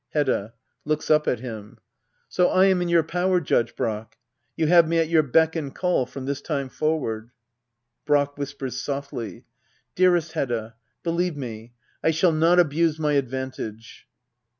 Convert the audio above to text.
Hedda. [Looks up at him,] So I am in your power, .Judge Brack. You have me at your beck and call, from this time forward. Brack. [Whispers softly.] Dearest Hedda — believe me — I shall not abuse my advantage.